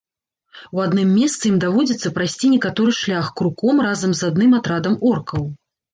У адным месцы ім даводзіцца прайсці некаторы шлях круком разам з адным атрадам оркаў.